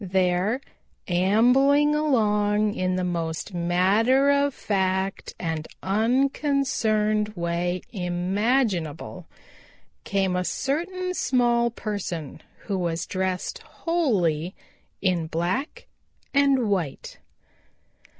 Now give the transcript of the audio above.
There, ambling along in the most matter of fact and unconcerned way imaginable, came a certain small person who was dressed wholly in black and white.